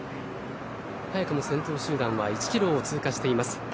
早くも先頭集団は１キロを通過しています。